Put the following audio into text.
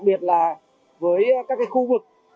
điện tử của quận hoàn kiếm